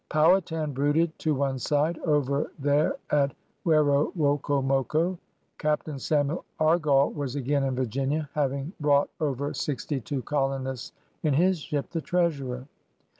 Pow hatan brooded to one side, over there at Werowoco moco. Captain Samuel Argall was again in Virginia, having brought over sixty two colonists in his ship, the Treasurer.